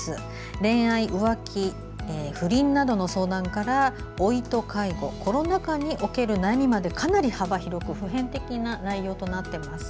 恋愛、浮気、不倫などの相談から老いと介護コロナ禍における悩みまでかなり幅広く普遍的な内容となっています。